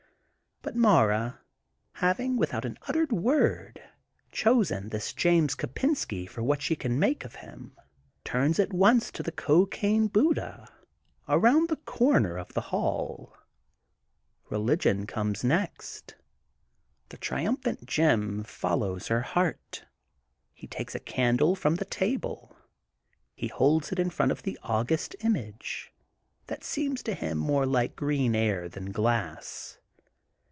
But Mara, having, without an uttered word, chosen this James Kopensky for what she can make of him, turns at once to the cocaine Buddha around the comer of the hall. Relig ion comes next. 252 THE GOLDEN BOOK OF I^PRINGFIELD The triumphant Jim follows her thought. He takes a candle from the table. He holds it in front of the august image, that seems to him more like green air than glass.